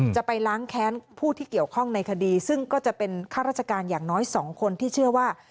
จะไปล้างแค้นผู้ที่เกี่ยวข้องในคดีซึ่งก็จะเป็นข้าราชการอย่างน้อย๒คนที่เชื่อว่า